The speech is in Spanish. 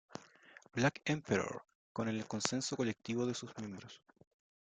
Black Emperor con el consenso colectivo de sus miembros.